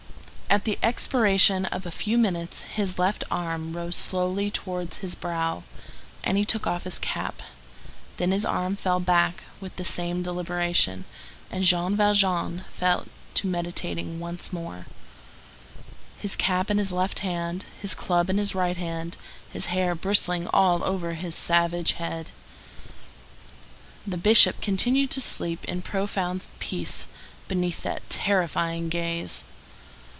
At the expiration of a few minutes his left arm rose slowly towards his brow, and he took off his cap; then his arm fell back with the same deliberation, and Jean Valjean fell to meditating once more, his cap in his left hand, his club in his right hand, his hair bristling all over his savage head. The Bishop continued to sleep in profound peace beneath that terrifying gaze.